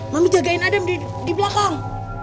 mau jagain adam di belakang